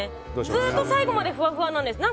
ずっと最後までふわふわなんです。